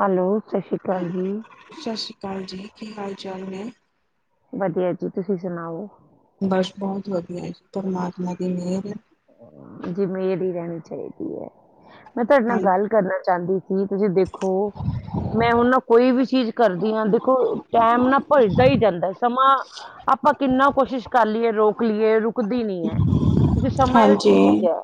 Hello ਸ਼੍ਰੀ ਅਕਾਲ ਜੀ ਸ੍ਰੀ ਅਕਾਲ ਜੀ ਕੀ ਹਾਲ ਚਾਲ? ਚਲੇ [unintelligible] ਵਧੀਆ ਜੀ ਤੁਸੀਂ ਸੁਣਾਓ। ਬਸ ਬਹੁਤ ਵਧੀਆ ਪਰਮਾਤਮਾ ਦੀ ਮਿਹਰ ਐ। ਜੇ ਮੇਰੀ ਹੀ ਰਹਿਣੀ ਚਾਹੀਦੀ ਹੈ। ਮੈਂ ਤੁਹਾਡੇ ਨਾਲ ਗੱਲ ਹਾਂਜੀ ਕਰਨਾ ਚਾਹੁੰਦੀ ਸੀ, ਤੁਸੀਂ ਦੇਖੋ? ਮੈਂ ਹੁਣ ਨਾ ਕੋਈ ਵੀ ਚੀਜ਼ ਕਰਦੀ ਹਾਂ, ਦੇਖੋ ਟਾਇਮ ਨਾ ਭੱਜਦਾ ਹੀ ਜਾਂਦਾ। ਸਮਾਂ? ਆਪਾਂ ਕਿੰਨਾ ਕੋਸ਼ਿਸ਼ ਕਰ ਲਈਏ, ਰੋਕ ਲਈਏ, ਰੁਕਦੀ ਨੀ ਹੈ। ਕਿਉਂਕਿ? ਇਹੋ ਜਿਹੀ ਚੀਜ਼ ਹਾਂਜੀ ਹੈ।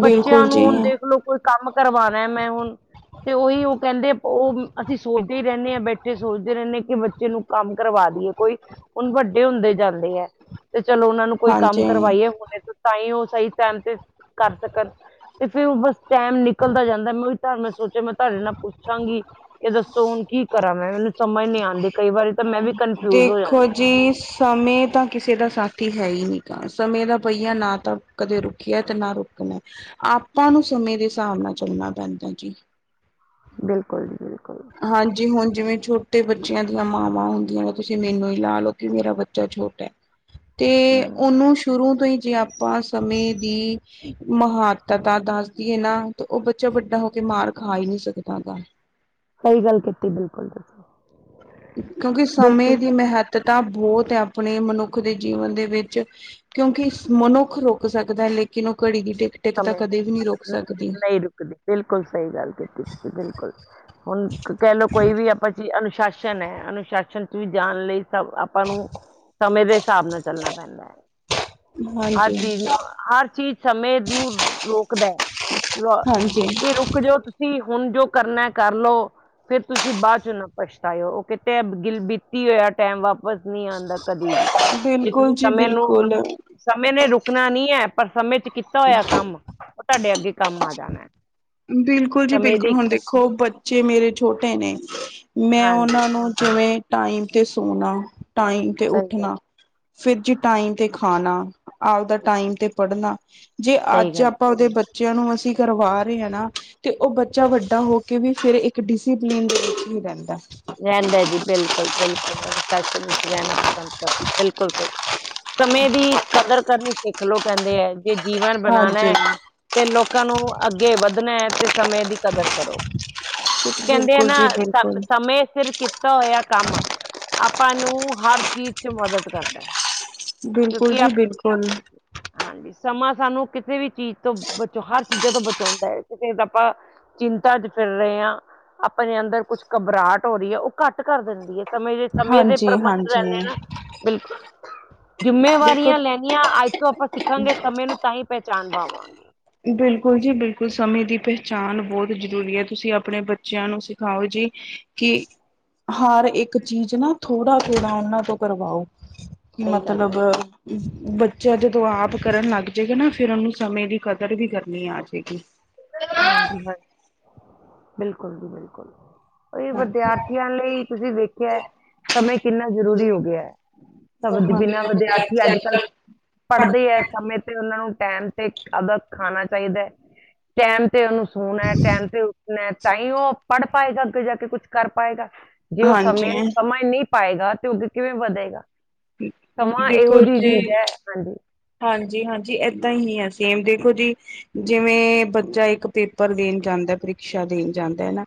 ਬੱਚਿਆਂ ਬਿਲਕੁਲ ਨੂੰ ਜੀ ਹੁਣ ਦੇਖਲੋ, ਕੋਈ ਕੰਮ ਕਰਵਾਣਾ ਮੈਂ ਹੁਣ? ਤੇ ਉਹੀ ਉਹ ਕਹਿੰਦੇ, ਉਹ ਅਸੀਂ ਸੋਚਦੇ ਹੀ ਰਹਿੰਦੇ ਹਾਂ, ਬੈਠੇ ਸੋਚਦੇ ਰਹਿੰਦੇ ਹਾਂ ਕਿ ਬੱਚੇ ਨੂੰ ਕੰਮ ਕਰਵਾ? ਕੋਈ ਹੁਣ ਵੱਡੇ ਹੁੰਦੇ ਜਾਂਦੇ ਹੈ। ਤੇ ਚਲੋ ਉਹਨਾਂ ਨੂੰ ਕੋਈ ਕੰਮ ਹਾਂਜੀ ਕਰਵਾਈਏ। ਹੁਣੇ? ਨਹੀਂ ਉਹ ਸਹੀ ਟਾਈਮ ਤੇ ਕਰ ਸਕਣ? ਤੇ ਫਿਰ ਓ ਬਸ ਟਾਇਮ ਨਿਕਲਦਾ ਜਾਂਦਾ ਹੈ। ਮੈਂ ਉਹੀ ਤਾਂ ਮੈਂ ਸੋਚਿਆ, ਮੈਂ ਤੁਹਾਡੇ ਨਾਲ ਪੁੱਛਾਂਗੀ, ਕਿ ਦੱਸੋ ਹੁਣ? ਕੀ ਕਰਾਂ ਮੈਂ- ਮੈਨੂੰ ਸਮਝ ਨਹੀ ਆਉਂਦੀ, ਕਈ ਵਾਰੀ ਤਾਂ ਮੈਂ ਵੀ? ਕਨਫਿਊਜ਼ ਹੋ ਦੇਖੋ ਜਾਂਦੀ ਹਾਂ ਜੀ- ਸਮੇਂ ਤਾਂ ਕਿਸੇ ਦਾ ਸਾਥੀ? ਹੈ ਹੀ ਨਹੀਂ? ਸਮੇਂ ਦਾ ਪਹੀਆ ਨਾ ਤਾਂ ਕਦੇ ਰੁਕਿਆ, ਤੇ ਨਾ ਰੁਕਣਾ- ਆਪਾਂ ਨੂੰ ਸਮੇ? ਦੇ ਹਿਸਾਬ ਨਾਲ ਚੱਲਣਾ ਪੈਂਦਾ ਜੀ। ਬਿਲਕੁਲ ਜੀ ਬਿਲਕੁਲ। ਹਾਂਜੀ ਹੁਣ ਜਿਵੇਂ ਛੋਟੇ ਬੱਚਿਆਂ ਦੀਆਂ ਮਾਵਾਂ- ਹੁੰਦੀਆਂ ਨੇ, ਤੁਸੀਂ ਮੈਨੂੰ ਹੀ ਲਾ ਲੋਓ ਕਿ ਮੇਰਾ ਬੱਚਾ ਛੋਟਾ ਹੈ। ਤੇ ਹਮ, ਉਹਨੂੰ ਸ਼ੁਰੂ ਤੋਂ ਹੀ! ਜੇ ਆਪਾਂ ਸਮੇਂ ਦੀ ਮਹੱਤਤਾ ਦੱਸਦੀਏ ਨਾ, ਤੇ ਉਹ ਬੱਚਾ ਵੱਡਾ ਹੋ ਕੇ? ਮਾਰ ਖਾ ਹੀ ਨਹੀ ਸਕਦਾ ਹੈਗਾ। ਸਹੀ ਗੱਲ ਕੀਤੀ ਬਿਲਕੁਲ ਤੁਸੀ। ਕਿਉਂਕਿ ਸਮੇਂ ਦੀ ਮਹੱਤਤਾ- ਤਾਂ ਬਹੁਤ ਹੈ ਆਪਣੇ ਮਨੁੱਖ ਦੇ ਜੀਵਨ ਦੇ ਵਿੱਚ। ਕਿਉਂਕਿ ਮਨੁੱਖ ਰੁਕ ਸਕਦਾ, ਲੇਕਿਨ ਉਹ ਘੜੀ ਦੀ ਟਿਕ ਟਿਕ ਤਾਂ ਸਮੇਂ ਕਦੇ ਵੀ ਨਹੀਂ ਰੁਕ ਸਕਦੀ। ਨਹੀਂ ਰੁਕਦੀ, ਬਿਲਕੁਲ ਸਹੀ ਗੱਲ ਕੀਤੀ ਤੁਸੀਂ ਬਿਲਕੁਲ। ਹੁਣ ਕਹਿ ਲਓ ਕੋਈ ਵੀ ਆਪਾਂ ਚੀਜ ਅਨ? ਅਨੁਸ਼ਾਸਨ ਹੈ। ਅਨੁਸ਼ਾਸਨ ਚ ਵੀ ਜਾਣ ਲਈ ਸਬ ਆਪਾਂ ਨੂੰ, ਸਮੇਂ ਦੇ ਹਿਸਾਬ ਨਾਲ ਚੱਲਣਾ ਪੈਂਦਾ ਹੈ। ਹਰ ਹਾਂਜੀ, ਚੀਜ਼ ਨੂੰ, ਹਰ ਚੀਜ਼ ਸਮੇਂ ਨੂੰ ਰੋਕਦਾ ਹੈ। ਲ ਹਾਂਜੀ ਕਿ ਰੁਕ ਜਾਓ ਤੁਸੀਂ, ਹੁਣ ਜੋ ਕਰਨਾ ਕਰਲੋ। ਫਿਰ ਤੁਸੀਂ ਬਾਅਦ ਚੋਂ ਨਾ ਪੱਛਤਾਇਓ! ਉਹ ਕਿਤੇ ਗਿਲ ਬੀਤੀ ਹੋਇਆ ਟਾਇਮ, ਵਾਪਸ ਨਹੀਂ ਆਉਂਦਾ। ਕਦੀ ਵੀ ਬਿਲਕੁਲ ਜੇ ਜੀ ਸਮੇਂ ਨੂੰ? ਬਿਲਕੁਲ ਸਮੇਂ ਨੇ ਰੁਕਣਾ ਨਹੀਂ ਹੈ। ਪਰ ਸਮੇਂ ਚ ਕੀਤਾ ਹੋਇਆ ਕੰਮ, ਉਹ ਤੁਹਾਡੇ ਅੱਗੇ ਕੰਮ ਆ ਜਾਣਾ ਹੈ। ਬਿਲਕੁਲ ਜੀ ਸਮੇਂ ਬਿਲਕੁਲ, ਦੀ ਹੁਣ ਦੇਖੋ ਬੱਚੇ ਮੇਰੇ ਛੋਟੇ ਨੇ? ਮੈਂ ਹਾਂਜੀ ਉਹਨਾਂ ਨੂੰ ਜਿਵੇਂ ਟਾਈਮ 'ਤੇ ਸੋਣਾ- ਟਾਈਮ ਤੇ ਸਹੀ ਗੱਲ ਉੱਠਣਾ, ਫਿਰ ਜੀ ਟਾਈਮ ਤੇ ਖਾਣਾ- ਆਪਦਾ ਟਾਈਮ ਤੇ ਪੜ੍ਹਨਾ? ਜੇ ਸਹੀ ਅੱਜ ਗੱਲ ਆਪਾਂ ਉਹਦੇ ਬੱਚਿਆਂ ਨੂੰ ਅਸੀਂ ਕਰਵਾ? ਓਈ ਹੈ ਨਾ। ਤੇ ਉਹ ਬੱਚਾ ਵੱਡਾ ਹੋ ਕੇ ਵੀ ਫਿਰ ਇੱਕ ਡਿਸਪਲਨ ਦੇ ਵਿੱਚ ਨਹੀ ਰਹਿੰਦਾ। ਰਹਿੰਦਾ ਜੀ ਬਿਲਕੁਲ-ਬਿਲਕੁਲ, ਅਨੁਸ਼ਾਸਨ ਦੇ ਵਿੱਚ ਰਹਿਣਾ, ਪਸੰਦ ਕਰਦਾ ਬਿਲਕੁਲ ਸਹੀ। ਸਮੇਂ ਦੀ ਕਦਰ ਕਰਨੀ ਸਿੱਖ ਲੋਓ, ਕਹਿੰਦੇ ਹੈ। ਦੇ ਜੀਵਨ ਹਾਂਜੀ ਬਣਾਉਣਾ, ਤੇ ਲੋਕਾਂ ਨੂੰ ਅੱਗੇ ਵੱਧਣਾ, ਤੇ- ਸਮੇਂ ਦੀ ਕਦਰ ਕਰੋ! ਕਿਉਂਕਿ ਕਹਿੰਦੇ ਐ ਬਿਲਕੁਲ ਨਾ? ਜੀ ਬਿਲਕੁਲ ਫਿਰ ਕੀਤਾ ਹੋਇਆ ਕੰਮ, ਆਪਾਂ ਨੂੰ ਹਰ ਚੀਜ਼ ਚ ਮਦਦ ਕਰਦਾ ਹੈ। ਬਿਲਕੁਲ ਕਿਉਂਕਿ ਜੀ ਆਪ ਬਿਲਕੁਲ ਹਾਂਜੀ ਸਮਾਂ? ਸਾਨੂੰ ਕਿਸੇ ਵੀ ਚੀਜ਼ ਤੋਂ, ਬਚਾ ਹਰ ਚੀਜ਼ਾਂ ਤੋਂ ਬਚਾਉਂਦਾ ਹੈ। ਕਿਸੇ ਆਪਾਂ ਚਿੰਤਾ ਚ ਫਿਰ ਰਹੇ ਹਾਂ। ਆਪਣੇ ਅੰਦਰ ਕੁਛ ਘਬਰਾਹਟ ਹੋ ਰਹੀ ਹੈ। ਉਹ ਘੱਟ ਕਰ ਦਿੰਦੀ ਹੈ। ਸਮੇਂ ਦੇ ਸਮੇਂ ਦੇ ਹਾਂਜੀ ਪ੍ਰਬੰਧ ਰਹਿੰਦੇ ਹਾਂਜੀ ਆ ਨਾ ਬਿਲਕੁਲ। ਜਿੰਮੇਵਾਰੀਆਂ ਦੇਖੋ ਲੈਣੀਆਂ ਅੱਜ ਤੋਂ ਆਪਾਂ ਸਿੱਖਾਂਗੇ ਸਮੇਂ ਨੂੰ ਤਾਂ ਹੀ ਪਹਿਚਾਣ ਪਾਵਾਂਗੇ। ਬਿਲਕੁਲ ਜੀ ਬਿਲਕੁਲ, ਸਮੇਂ ਦੀ ਪਹਿਚਾਣ ਬਹੁਤ ਜ਼ਰੂਰੀ ਹੈ ਤੁਸੀਂ ਆਪਣੇ ਬੱਚਿਆਂ ਨੂੰ ਸਿਖਾਓ। ਕਿ ਹਰ ਇੱਕ ਚੀਜ਼ ਨਾ ਥੋੜਾ-ਥੋੜਾ ਉਹਨਾ ਤੋਂ ਕਰਵਾਓ। ਕਿ ਸਹੀ ਗੱਲ ਮਤਲਬ ਹੈ ਬੱਚਾ, ਜਦੋਂ ਆਪ ਕਰਨ ਲੱਗ ਜਾਏਗਾ ਨਾ ਫੇਰ ਉਹਨੂੰ ਸਮੇਂ ਦੀ ਕਦਰ ਵੀ ਕਰਨੀ ਆ ਜਾਵੇਗੀ। ਹਾਂਜੀ-ਹਾਂਜੀ, ਬਿਲਕੁਲ ਜੀ ਬਿਲਕੁਲ। ਉਹ ਵਿਦਿਆਰਥੀਆਂ ਲਈ ਤੁਸੀਂ ਵੇਖਿਆ ਸਮੇ ਕਿੰਨਾ ਜ਼ਰੂਰੀ ਹੋ ਗਿਆ ਹੈ ਤਾਂ ਬਿਨਾਂ ਵਿਦਿਆਰਥੀ ਅੱਜ-ਕੱਲ ਪੜ੍ਹਦੇ ਹੈ ਸਮੇਂ ਤੇ ਉਹਨਾਂ ਨੂੰ ਟਾਈਮ ਤੇ ਅਦਰ ਖਾਣਾ ਚਾਹੀਦਾ ਹੈ, ਟਾਈਮ ਤੇ ਉਹਨੂੰ ਸੂਣਾ ਟਾਈਮ ਤੇ ਉੱਠਣਾ। ਤਾਂ ਹੀ ਉਹ ਪੜ੍ਹ ਪਾਏਗਾ ਅੱਗੇ ਜਾ ਕੇ ਕੁਛ ਕਰ ਪਾਏਗਾ ਜੇ ਉਹ ਸਮੇਂ ਹਾਂਜੀ ਨੂੰ ਸਮਾਂ ਨਹੀਂ ਪਾਏਗਾ ਤੇ ਅੱਗੇ ਕਿਵੇਂ ਵਧੇਗਾ, ਸਮਾਂ ਇਹੋ ਦੇਖੋ ਜਿਹੀ ਚੀਜ਼ ਜੀ ਹੈ ਹਾਂਜੀ। ਹਾਂਜੀ-ਹਾਂਜੀ ਏਦਾਂ ਹੀ ਆ ਸੇਮ ਦੇਖੋ ਜੀ ਜਿਵੇਂ ਬੱਚਾ ਇੱਕ ਪੇਪਰ ਦੇਣ ਜਾਂਦਾ ਪ੍ਰੀਸ਼ਾ ਦੇਣ ਜਾਂਦਾ ਹੈਨਾ।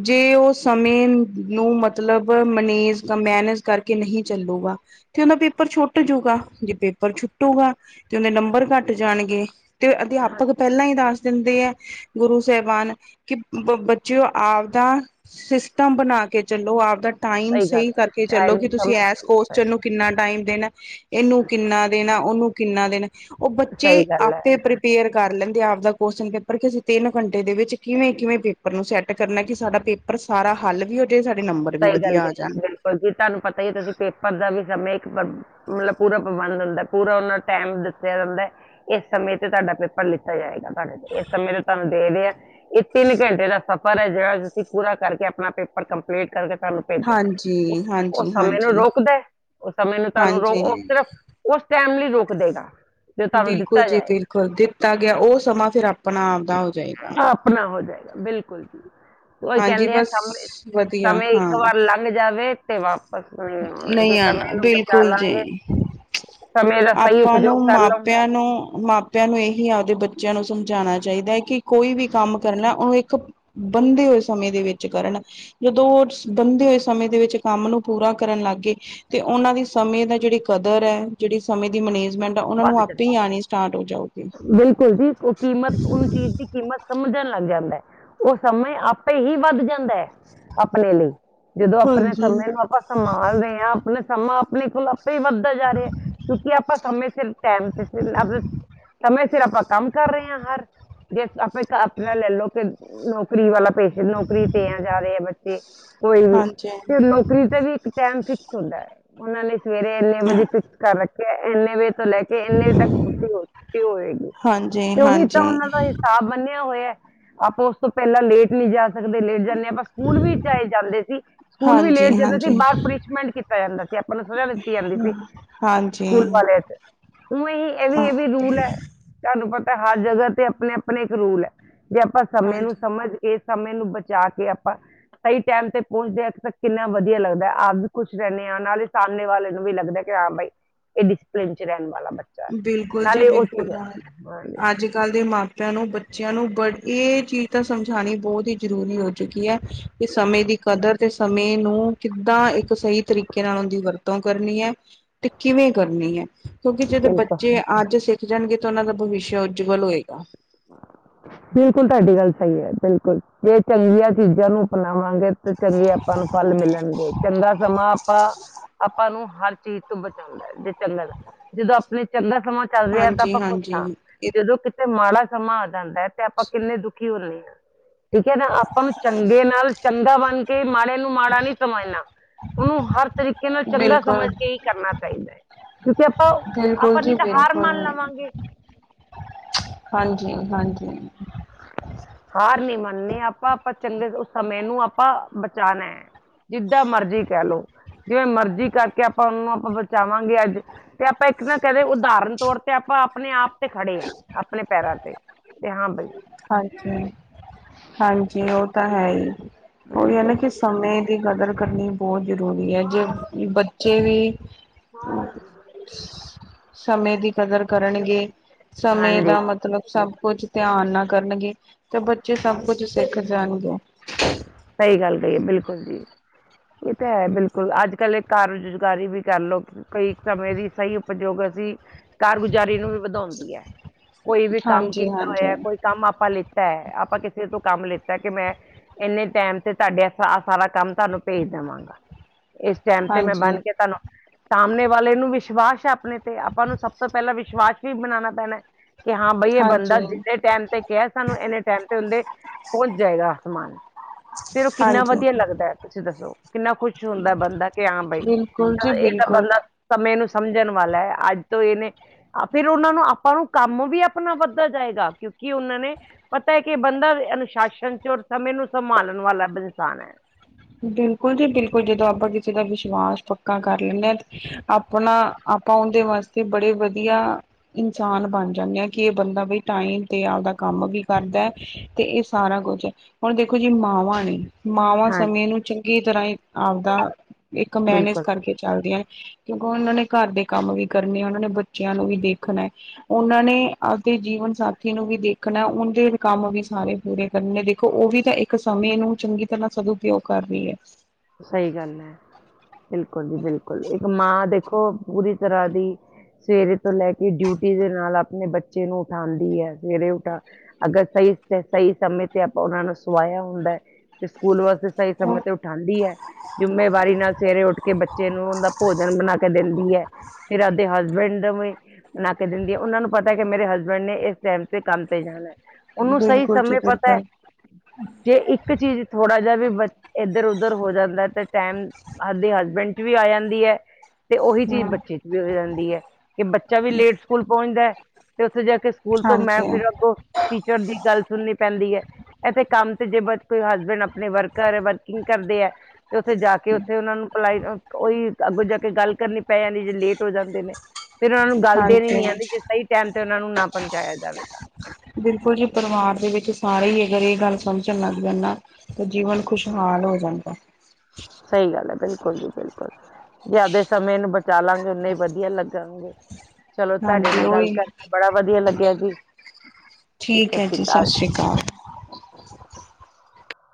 ਜੇ ਉਹ ਸਮੇਂ ਨੂੰ ਮਤਲਬ ਮੈਨੇਜ- ਮੈਨੇਜ ਕਰਕੇ ਨਹੀਂ ਚੱਲੂਗਾ। ਤੇ ਉਹਦਾ ਪੇਪਰ ਛੁੱਟ ਜੂਗਾ ਜੇ ਪੇਪਰ ਛੁੱ ਟੁੱਟੂਗਾ ਤੇ ਉਹਦੇ ਨੰਬਰ ਘੱਟ ਜਾਣਗੇ ਤੇ ਅਧਿਆਪਕ ਹਾਂਜੀ ਪਹਿਲਾਂ ਹੀ ਦੱਸ ਦਿੰਦੇ ਆ। ਗੁਰੂ ਸਾਹਿਬਾਨ ਕਿ ਬ ਬੱਚੇਓ ਆਪਦਾ ਸਿਸਟਮ ਬਣਾ ਕੇ ਚਲੋ। ਆਪ ਦਾ ਟਾਈਮ ਗੱਲ ਸਹੀ ਹੈ ਕਰਕੇ ਚੱਲੋ ਟਾਈਮ ਕਿ ਤੁਸੀਂ ਸਮੇਂ ਇਸ ਚਲੋ ਕੋਸ਼ਚਨ ਸਹੀ ਨੂੰ ਕਿੰਨਾ ਟਾਈਮ ਇਹਨੂੰ ਕਿੰਨਾ ਦੇਣਾ -ਉਹਨੂੰ ਕਿੰਨਾ ਦੇਣਾ? ਉਹ ਬੱਚੇ ਸਹੀ ਗੱਲ ਹੈ ਆਪੇ ਪ੍ਰੀਪੇਅਰ ਕਰ ਲੈਂਦੇ। ਆਪ ਦਾ ਕੁਸ਼ਚਨ ਪੇਪਰ ਕਿ ਅਸੀਂ ਤਿੰਨ ਘੰਟੇ ਦੇ ਵਿੱਚ ਕਿਵੇਂ ਕਿਵੇਂ ਪੇਪਰ ਨੂੰ ਸੈੱਟ ਕਰਨਾ ਕਿ ਸਾਡਾ ਪੇਪਰ ਸਾਰਾ ਹੱਲ ਵੀ ਜਾਏ ਸਾਡੇ ਨੰਬਰ ਵੀ ਸਹੀ ਗੱਲ ਵਧੀਆ ਆ ਕੀਤੀ ਜਾਣ ਬਿਲਕੁਲ ਜੀ ਤੁਹਾਨੂੰ ਪਤਾ ਹੀ ਤੁਸੀਂ ਪੇਪਰ ਦਾ ਵੀ ਕੀ ਕਰਨਾ। ਮਤਲਬ ਪੂਰਾ ਪ੍ਰਬੰਧ ਹੁੰਦਾ ਪੂਰਾ ਉਹਨਾਂ ਨੂੰ ਟੈਮ ਦੱਸਿਆ ਜਾਂਦਾ ਇਸ ਸਮੇਂ ਤੇ ਤੁਹਾਡਾ ਪੇਪਰ ਲਿੱਤਾ ਜਾਏਗਾ ਤੁਹਾਡੇ ਤੇ ਇਸ ਸਮੇਂ ਤਾਂ ਤੁਹਾਨੂੰ ਦੇ ਰਹੇਆ। ਇਹ ਤਿੰਨ ਘੰਟੇ ਦਾ ਸਫ਼ਰ ਹੈ ਜਿਹੜਾ ਤੁਸੀਂ ਪੂਰਾ ਕਰਕੇ ਆਪਣਾ ਪੇਪਰ ਕੰਮ ਕਰਕੇ ਤੁਹਾਨੂੰ ਭੇਜੋ ਹਾਂਜੀ ਉਹ ਹਾਂਜੀ ਸਮੇਂ ਨੂੰ ਹਾਂਜੀ ਰੋਕਦਾ। ਉਹ ਸਮੇਂ ਨੂੰ ਤੁਹਾਨੂੰ ਰੋ ਹਾਂਜੀ ਸਿਰਫ ਉਸ ਟਾਈਮ ਲਈ ਰੋਕ ਦੇਗਾ। ਜੋ ਤੁਹਾਨੂੰ ਬਿਲਕੁਲ ਦਿੱਤਾ ਜੀ ਜਾਏਗਾ ਬਿਲਕੁਲ, ਦਿੱਤਾ ਗਿਆ ਉਹ ਸਮਾਂ ਫਿਰ ਆਪਣਾ ਆਪਦਾ ਹੋ ਜਾਏਗਾ। ਆਪਣਾ ਹੋ ਜਾਏਗਾ ਬਿਲਕੁਲ ਜੀ, ਉਹੀ ਹਾਂਜੀ ਕਹਿੰਦੇ ਆ ਬਸ ਵਧੀਆ ਸਮੇ-ਸਮੇ ਇੱਕ ਹਾਂ ਵਾਰ ਲੰਘ ਜਾਵੇ। ਤੇ ਵਾਪਸ ਨਹੀਂ ਆਉਣਾ ਜੇ ਨਹੀਂ ਆਣਾ, ਸਮੇਂ ਨੂੰ ਬਚਾ ਬਿਲਕੁਲ ਲਾਂਗੇ ਜੀ। ਸਮੇਂ ਦਾ ਸਹੀ ਆਪਾਂ ਉਪਯੋਗ ਨੂੰ ਕਰ ਲਵਾਂਗੇ ਮਾਪਿਆਂ ਨੂੰ ਮਾਪਿਆਂ ਨੂੰ ਇਹੀ ਆਪਦੇ ਬੱਚੇ ਬੱਚਿਆਂ ਨੂੰ ਸਮਝਾਉਣਾ ਚਾਹੀਦਾ ਹੈ ਕਿ ਕੋਈ ਵੀ ਕੰਮ ਕਰਨਾ ਉਹਨੂੰ ਇੱਕ ਬੰਦੇ ਹੋਏ ਸਮੇਂ ਦੇ ਵਿੱਚ ਕਰਨ ਜਦੋਂ ਉਹ ਬੰਦੇ ਹੋਏ ਸਮੇਂ ਦੇ ਵਿੱਚ ਕੰਮ ਨੂੰ ਪੂਰਾ ਕਰਨ ਲੱਗ ਗਏ ਤੇ ਉਹਨਾਂ ਦੀ ਸਮੇਂ ਦਾ ਜਿਹੜੀ ਕਦਰ ਹੈ ਜਿਹੜੀ ਸਮੇਂ ਦੀ ਮਨਜ ਵੱਧ ਚਲੇ ਬਿਲਕੁਲ ਜੀ, ਉਹ ਕੀਮਤ ਉਹਨੂੰ ਚੀਜ਼ ਦੀ ਕੀਮਤ ਸਮਝਣ ਲੱਗ ਜਾਂਦਾ ਉਹ ਸਮੇਂ ਆਪੇ ਹੀ ਵੱਧ ਜਾਂਦਾ ਹੈ, ਆਪਣੇ ਲਈ। ਜਦੋਂ ਆਪਣੇ ਹਾਂਜੀ ਸਮੇਂ ਨੂੰ ਆਪਾਂ ਸੰਭਾਲਦੇ ਹਾਂ, ਆਪਣਾ ਸਮਾਂ ਆਪਣੇ ਕੋਲ ਵੀ ਵੱਧਦਾ ਜਾ ਰਿਹਾ ਕਿਉਂਕਿ ਆਪਾਂ ਸਮੇਂ ਸਿਰ ਟਾਈਮ ਤੇ ਸਿਰ ਸਮੇਂ ਸਿਰ ਆਪਾਂ ਕੰਮ ਕਰ ਰਹੇ ਹਾਂ ਹਰ ਜੇ ਆਪ ਆਪਣਾ ਲੈ ਲਓ ਕਿ ਨ ਫਰੀ ਵਾਲਾ ਪਰਸਨ ਨੌਕਰੀ ਤੇ ਆ ਜਾਦੇ ਆ ਬੱਚੇ ਕੋਈ ਵੀ। ਹਾਂਜੀ ਫਿਰ ਨੌਕਰੀ ਦਾ ਵੀ ਇੱਕ ਟਾਈਮ ਫਿਕਸ ਹੁੰਦਾ ਹੈ। ਉਹਨਾਂ ਨੇ ਸਵੇਰੇ ਇੰਨੇ ਵਜੇ ਫਿਕਸ ਕਰ ਰੱਖਿਆ ਇੰਨੇ ਵਜੇ ਤੋਂ ਲੈ ਕੇ ਇੰਨੇ ਤੱਕ ਛੁੱਟੀ ਹੋ ਛੁੱਟੀ ਹੋਏਗੀ। ਹਾਂਜੀ ਤੇ ਉਹ ਵੀ ਤਾਂ ਉਹਨਾਂ ਹਾਂਜੀ ਦਾ ਹਿਸਾਬ ਮੰਨਿਆ ਹੋਇਆ ਆਪਾਂ ਉਸ ਤੋਂ ਪਹਿਲਾਂ ਲੇਟ ਨਹੀਂ ਜਾ ਸਕਦੇ ਲੇਟ ਜਾ ਆਪਾਂ ਸਕੂਲ ਵੀ ਚਏ ਜਾਂਦੇ ਸੀ ਸਕੂਲ ਵੀ ਲੇਟ ਹਾਂਜੀ ਜਾਂਦੇ ਸੀ ਹਾਂਜੀ ਬਾਹਰ ਪਨਿਸ਼ਮੈਂਟ ਕੀਤਾ ਜਾਂਦਾ ਸੀ। ਆਪਾਂ ਨੂੰ ਸਜਾ ਦਿੱਤੀ ਜਾਂਦੀ ਸੀ ਹਾਂਜੀ ਸਕੂਲ ਵਾਲੇ। ਉਵੇ ਹੀ ਇਹ ਵੀ-ਇਹ ਵੀ ਰੂਲ ਹੈ। ਤੁਹਾਨੂੰ ਪਤਾ ਹੈ ਹਰ ਜਗ੍ਹਾ ਤੇ ਆਪਣੇ ਆਪਣੇ ਇੱਕ ਰੂਲ ਹੈ। ਜੇ ਆਪਾਂ ਸਮੇਂ ਨੂੰ ਹਾਂਜੀ ਸਮਝ ਇਸ ਸਮੇਂ ਨੂੰ ਬਚਾ ਕੇ ਆਪਾਂ ਸਹੀ ਟਾਈਮ ਤੇ ਪਹੁੰਚਦੇ ਹਾਂ। ਇਕ ਤਾ ਕਿੰਨਾ ਵਧੀਆ ਲੱਗਦਾ ਹੈ। ਆਪ ਵੀ ਖੁਸ਼ ਰਹਿੰਦੇ ਹਾਂ ਇਯਾਂ ਨਾਲੇ ਸਾਹਮਣੇ ਵਾਲੇ ਨੂੰ ਵੀ ਲੱਗਦਾ ਹੈ, ਕਿ ਹਾਂ ਬਾਈ ਇਹ ਡਿਸਪਲਿਨ ਚ ਰਹਿਣ ਵਾਲਾ ਬਂ ਬਿਲਕੁਲ ਜੀ ਬਿਲਕੁਲ ਨਾਲ, ਹਾਂਜੀ ਅੱਜ ਕੱਲ ਦੇ ਮਾਂਪ ਪੇਆ ਨੂੰ ਬੱਚਿਆਂ ਨੂੰ ਬੜ ਇਹ ਚੀਜ਼ ਤਾਂ ਸਮਝਾਉਣੀ ਬਹੁਤ ਹੀ ਜ਼ਰੂਰੀ ਹੋ ਚੁੱਕੀ ਹੈ। ਇਹ ਸਮੇਂ ਦੀ ਕਦਰ ਤੇ ਸਮੇਂ ਨੂੰ ਕਿੱਦਾਂ ਇੱਕ ਸਹੀ ਤਰੀਕੇ ਨਾਲ ਉਹ ਦੀ ਵਰਤੋਂ ਕਰਨੀ ਹੈ, ਤੇ ਕਿਵੇਂ ਕਿਵੇ ਕਰਨੀ ਹੈ? ਕਿ ਜਿਦੋਂ ਬਿਲਕੁਲ ਬੱਚੇ ਅੱਜ ਸਿੱਖ ਜਾਣਗੇ ਤਾਂ ਉਹਨਾਂ ਦਾ ਭਵਿਸ਼ਿਆ ਉਜਵਲ ਹੋਏਗਾ। ਬਿਲਕੁਲ ਤੁਹਾਡੀ ਗੱਲ ਸਹੀ ਹੈ ਬਿਲਕੁਲ। ਜੇ ਚੰਗੀਆਂ ਚੀਜ਼ਾਂ ਨੂੰ ਅਪਣਾਉ ਵਾਂਗੇ ਤੇ ਚੰਗੇ ਆਪਾਂ ਨੂੰ ਫਲ ਮਿਲਣਗੇ। ਚੰਗਾ ਸਮਾਂ ਆਪਾਂ ਆਪਾਂ ਨੂੰ ਹਰ ਚੀਜ਼ ਤੋਂ ਬਚਾਉਂਦਾ ਹੈ ਜੇ ਚੰਗਾ। ਜਦੋਂ ਆਪਣੇ ਚੰਗਾ ਸਮਾਂ ਚੱਲ ਰਿਹਾ ਤੇ ਹਾਂਜੀ ਆਪਾਂ ਖੁਸ਼ ਹਾਂਜੀ ਹਾਂ। ਜਦੋਂ ਕਿਤੇ ਮਾੜਾ ਸਮਾਂ ਆ ਜਾਂਦਾ ਹੈ ਤੇ ਆਪਾਂ ਕਿੰਨੇ ਦੁਖੀ ਹੋ ਜੱਨੇ ਠੀਕ ਹੈ ਨਾ। ਆਪਾਂ ਨੂੰ ਚੰਗੇ ਨਾਲ ਚੰਗਾ ਬਣ ਕੇ, ਮਾੜੇ ਨੂੰ ਮਾੜਾ ਨਹੀਂ ਸਮਝਣਾ। ਉਹ ਹਰ ਤਰੀਕੇ ਨਾਲ ਚੰਗਾ ਬਿਲਕੁਲ ਸਮਝ ਕੇ ਹੀ ਕਰਨਾ ਚਾਹੀਦਾ ਹੈ। ਕਿਉਂਕਿ ਬਿਲਕੁਲ ਆਪਾਂ-ਆਪਾਂ ਨੀ ਤੇ ਹਾਰ ਮੰਨ ਲਵਾਂਗੇ। ਹਾਂਜੀ-ਹਾਂਜੀ। ਹਾਰ ਨੀ ਮੰਨੀ ਆਪਾਂ ਪ ਚੰਗੇ ਸਮੇਂ ਨੂੰ ਆਪਾਂ ਬਚਾਉਣਾ ਹੈ। ਜਿੱਦਾਂ ਮਰਜ਼ੀ ਕਹਿ ਲਓ। ਜਿਵੇਂ ਮਰਜ਼ੀ ਕਰਕੇ ਆਪਾਂ ਉਹਨਾਂ ਨੂੰ ਬਚਾਵਾਂਗੇ ਅੱਜ। ਤੇ ਆਪਾਂ ਇੱਕ ਨਾ ਕਦੇ ਉਦਾਹਰਣ ਤੌਰ ਤੇ ਆਪਾਂ ਆਪਣੇ ਆਪ ਤੇ ਖੜੇ ਹਾਂ, ਆਪਣੇ ਪੈਰਾਂ ਤੇ। ਤੇ ਹਾਂ ਬਈ ਹਾਂਜੀ-ਹਾਂਜੀ। ਹਾਂਜੀ, ਉਹ ਤਾਂ ਹੈ ਹੀ। ਉਹੀ ਹੈ ਬਿਲਕੁਲ ਨਾ ਕਿ ਸਮੇਂ ਦੀ ਕਦਰ ਕਰਨੀ ਬਹੁਤ ਜ਼ਰੂਰੀ ਹੈ, ਜੇ ਬੱਚੇ ਵੀ ਸਮੇਂ ਦੀ ਕਦਰ ਕਰਨਗੇ ਸਮੇਂ ਹਾਂਜੀ ਦਾ ਮਤਲਬ ਸਭ ਕੁਝ ਧਿਆਨ ਨਾਲ ਕਰਨਗੇ ਤੇ ਬੱਚੇ ਸਭ ਕੁਛ ਸਿੱਖ ਜਾਣਗੇ। ਸਹੀ ਗੱਲ ਕਹੀ ਏ। ਬਿਲਕੁਲ ਜੀ। [inaudible] ਇਹ ਤਾਂ ਹੈ ਬਿਲਕੁਲ। ਅੱਜ ਕੱਲ੍ਹ ਇਹ ਕਾਰ ਰੁਜ਼ਗਾਰੀ ਵੀ ਕਰਲਓ, ਕਈ ਸਮੇਂ ਦੀ ਸਹੀ ਉਪਯੋਗ ਅਸੀਂ ਕਾਰਗੁਜ਼ਾਰੀ ਨੂੰ ਵੀ ਵਧਾਉਂਦੀ ਹੈ। ਕੋਈ ਵੀ ਕੰਮ ਹਾਂਜੀ ਕੀਤਾ ਹੋਇਆ ਹਾਂਜੀ ਹੈ। ਕੋਈ ਕੰਮ ਆਪਾਂ ਲਿੱਤਾ ਹੈ। ਆਪਾਂ ਕਿਸੇ ਤੋਂ ਕੰਮ ਲਿੱਤਾ ਕਿ ਮੈਂ ਇੰਨੇ ਟਾਈਮ ਤੇ ਤੁਹਾਡੇ ਏਫੇ-ਅ-ਫਾ-ਸਾਰਾ ਕੰਮ ਤੁਹਾਨੂੰ ਭੇਜ ਦਵਾਂਗਾ। ਇਸ ਟਾਈਮ ਤੇ ਮੈਂ ਹਾਂਜੀ ਬਣ ਕੇ ਤੁਹਾਨੂੰ ਸਾਹਮਣੇ ਵਾਲੇ ਨੂੰ ਵਿਸ਼ਵਾਸ ਹੈ, ਆਪਣੇ ਤੇ। ਆਪਾਂ ਨੂੰ ਸਭ ਤੋਂ ਪਹਿਲਾਂ ਵਿਸ਼ਵਾਸ ਵੀ ਬਣਾਉਣਾ ਪੈਣਾ ਹੈ ਕਿ ਹਾਂ ਬਈ ਇਹ ਬੰਦਾ ਹਾਂਜੀ ਜਿੰਨੇ ਟਾਈਮ ਤੇ ਕਿਹਾ ਹੈ, ਸਾਨੂੰ ਇੰਨੇ ਟਾਈਮ ਤੇ ਹੁੰਦੇ ਪਹੁੰਚ ਜਾਏਗਾ, ਸਮਾਨ। ਫੇਰ ਉਹ ਕਿੰਨਾ ਹਾਂਜੀ ਵਧੀਆ ਲੱਗਦਾ ਹੈ, ਤੁਸੀਂ ਦੱਸੋ। ਕਿੰਨਾ ਖੁਸ਼ ਹੁੰਦਾ ਹੈ ਬੰਦਾ ਕਿ ਹਾਂ ਬਈ ਬਿਲਕੁਲ ਚ ਜੀ ਇਹ ਤਾਂ ਬਿਲਕੁਲ ਬੰਦਾ ਸਮੇਂ ਨੂੰ ਸਮਝਣ ਵਾਲਾ ਹੈ। ਅੱਜ ਤੋਂ ਇਹਨੇ ਅ ਫਿਰ ਉਹਨਾਂ ਨੂੰ ਆਪਾਂ ਨੂੰ ਕੰਮ ਵੀ ਆਪਣਾ ਵੱਧਦਾ ਜਾਏਗਾ। ਕਿਉਂਕਿ ਕਿ ਉਹਨਾਂ ਨੇ ਪਤਾ ਹੈ ਕਿ ਬੰਦਾ ਅਨੁਸ਼ਾਸਨ ਚ ਔ ਸਮੇਂ ਨੂੰ ਸੰਭਾਲਣ ਵਾਲਾ ਬੀ ਇਨਸਾਨ ਹੈ। ਬਿਲਕੁਲ ਜੀ ਬਿਲਕ। ਜਦੋਂ ਆਪਾਂ ਕਿਸੇ ਦਾ ਵਿਸ਼ਵਾਸ ਪੱਕਾ ਕਰ ਲੈਂਦੇ ਹਾਂ ਆਪਣਾ, ਆਪਾਂ ਉਹੱਦੇ ਵਾਸਤੇ ਬੜੇ ਵਧੀਆ ਇਨਸਾਨ ਬਣ ਜਾਂਦੇ ਹਾਂ ਕਿ ਇਹ ਬੰਦਾ ਬਈ ਟਾਈਮ ਤੇ ਆਪਦਾ ਕੰਮ ਵੀ ਕਰਦਾ ਹੈ, ਤੇ ਇਹ ਸਾਰਾ ਕੁਛ ਹੈ। ਹੁਣ ਦੇਖੋ ਜੀ ਮਾਵਾਂ ਨੇ ਮਾਵਾਂ ਹਾਂਜੀ ਸਮੇਂ ਨੂੰ ਚੰਗੀ ਤਰ੍ਹਾਂ ਹੀ ਆਪਦਾ ਇੱਕ ਮੈਨੇਜ ਬਿਲਕੁਲ ਕਰਕੇ ਚਲਦੀਆਂ ਨੇ। ਕਿਉਂਕਿ ਉਹਨਾਂ ਨੇ ਘਰ ਦੇ ਕੰਮ ਵੀ ਕਰਨੇ ਆ। ਉਹਨਾਂ ਨੇ ਬੱਚਿਆਂ ਨੂੰ ਵੀ ਦੇਖਣਾ ਹੈ। ਉਹਨਾਂ ਨੇ ਜੀਵਨ ਸਾਥੀ ਨੂੰ ਵੀ ਦੇਖਣਾ ਹੈ, ਉਹਂਦੇ ਕੰਮ ਵੀ ਸਾਰੇ ਪੂਰੇ ਕਰਨੇ, ਦੇਖੋ ਉਹ ਵੀ ਤੇ ਇੱਕ ਸਮੇਂ ਨੂੰ ਨੂੰ ਚੰਗੀ ਤਰ੍ਹਾਂ ਸਦੂਉਪਯੋਗ ਕਰ ਰਹੀ ਹੈ। ਸਈ ਗੱਲ ਐ। ਬਿਲਕੁਲ ਜੀ ਬਿਲਕੁਲ ਇੱਕ ਮਾਂ ਦੇਖੋ ਪੂਰੀ ਤਰ੍ਹਾਂ ਦੀ ਸਵੇਰੇ ਤੋਂ ਲੈ ਕੇ ਡਿਊਟੀ ਦੇ ਨਾਲ ਆਪਣੇ ਬੱਚੇ ਨੂੰ ਉਠਾਂਦੀ ਐ, ਸਵੇਰੇ ਉਠਾ ਅਗਰ ਸਈ ਸਈ ਸਮੇਂ ਤੇ ਆਪਾਂ ਉਹਨਾਂ ਨੂੰ ਸਵਾਇਆ ਹੁੰਦਾ ਐ ਤੇ ਸਕੂਲ ਵਾਸਤੇ ਸਈ ਸਮੇਂ ਤੇ ਉਠਾਂਦੇ ਦੀ ਐ, ਜਿੰਮੇਵਾਰੀ ਨਾਲ ਸਵੇਰੇ ਉੱਠ ਕੇ ਬੱਚੇ ਨੂੰ ਉਂਦਾ ਭੋਜਨ ਬਣਾ ਕੇ ਦਿੰਦੀ ਐ। ਫੇਰ ਆਪਦੇ ਹਸਬੈਂਡ ਉਈ ਬਣਾ ਕੇ ਦਿੰਦੀ ਐ, ਉਹਨਾਂ ਨੂੰ ਪਤਾ ਕਿ ਮੇਰੇ ਹਸਬੈਂਡ ਨੇ ਇਸ ਟਾਈਮ ਤੇ ਕੰਮ ਤੇ ਜਾਣਾ। ਉਹਨੂੰ ਸਈ ਬਿਲਕੁਲ ਜੀ ਸਮੇਂ ਪਤਾ ਐ ਬਿਲਕੁਲ ਜੇ ਇੱਕ ਚੀਜ਼ ਥੋੜਾ ਜਦ ਵੀ ਬਸ ਇਧਰ ਉਧਰ ਹੋ ਜਾਂਦਾ ਤੇ ਟੈਮ ਆਪਦੇ ਹਸਬੈਂਡ ਚ ਵੀ ਆ ਜਾਂਦੀ ਐ। ਤੇ ਉਹੀ ਚੀਜ਼ ਹੂੰ ਬੱਚੇ ਚ ਵੀ ਹੋ ਜਾਂਦੀ ਐ ਕਿ ਬੱਚਾ ਵੀ ਲੇਟ ਸਕੂਲ ਪਹੁੰਚਂਦਾ। ਉੱਥੇ ਜਾ ਕੇ ਸਕੂਲ ਤੋਂ ਮੈਂ ਹਾਂਜੀ ਫਿਰ ਅੱਗੋਂ ਟੀ ਚਰ ਦੀ ਗੱਲ ਸੁਣਨੀ ਪੈਂਦੀ ਐ ਇੱਥੇ ਕੰਮ ਤੇ ਜੇ ਬ ਕੋਈ ਹਸਬੈਂਡ ਆਪਣੇ ਵਰਕਰ ਵਰਕਿੰਗ ਚ ਕਰਦੇ ਐ ਤੇ ਉੱਥੇ ਜਾ ਕੇ ਉੱਥੇ ਉਹਨਾਂ ਨੂੰ ਪਲਾਈ ਕੋਈ ਅੱਗੋਂ ਜਾ ਕੇ ਗੱਲ ਕਰਨੀ ਪੈ ਜਾਂਦੀ ਜੇ ਲੇਟ ਹੋ ਜਾਂਦੇ ਨੇ ਫਿਰ ਉਹਨਾਂ ਨੂੰ ਗੱਲ ਦੇਣੀ ਨੀ ਹਾਂਜੀ ਆਂਦੀ ਜੇ ਸਈ ਟਾਈਮ ਤੇ ਉਹਨਾਂ ਨੂੰ ਨਾ ਪਹੁੰਚਾਇਆ ਜਾਵੇ ਤਾਂ। ਬਿਲਕੁਲ ਜੀ ਪਰਿਵਾਰ ਦੇ ਵਿੱਚ ਸਾਰੇ ਹੀ ਅਗਰ ਇਹ ਗੱਲ ਸਮਝਣ ਲੱਗ ਜਨ ਨਾ ਤੇ ਜੀਵਨ ਖੁਸ਼ਹਾ ਲ ਓ ਜਾਂਦਾ। ਸਹੀ ਗੱਲ ਐ ਬਿਲਕੁਲ ਜੀ ਬਿਲਕੁਲ। ਜ਼ਿਆਦਾ ਸਮੇਂ ਨੂੰ ਬਚਾ ਲਾਂਗੇ ਓਨੇ ਈ ਵਧੀਆ ਲੱਗਾਂਗੇ ਚਲੋ ਤੁਆਡੇ ਹਾਂਜੀ ਨਾਲ ਗੱਲ ਉਹੀ ਕਰਕੇ ਬੜਾ ਵਦੀਆ ਲੱਗਿਆ ਜੀ ਠੀਕ ਹੈ ਸਾਸੀ ਸਤਿ ਕਾਲ ਸ਼੍ਰੀ ਜੀ। ਅਕਾਲ